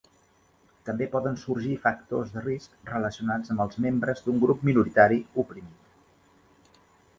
També poden sorgir factors de risc relacionats amb els membres d'un grup minoritari oprimit.